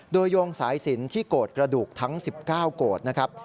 โดยโยงสายสินที่โกรธกระดูกทั้ง๑๙โกรธนะครับ